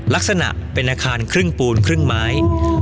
ลักษณะเป็นอาคารครึ่งปูนครึ่งไม้